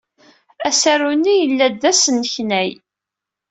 Asaru-nni yella-d d asneknay.